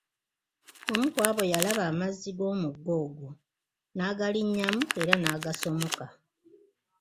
Omu ku abo yalaba amazzi g'omugga ogwo, n'agalinnyamu era n'agasomoka.